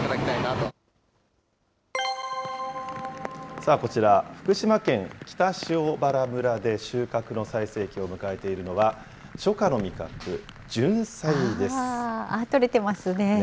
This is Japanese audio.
さあ、こちら、福島県北塩原村で収穫の最盛期を迎えているのは、初夏の味覚、採れてますね。